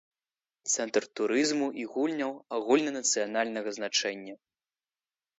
Цэнтр турызму і гульняў агульнанацыянальнага значэння.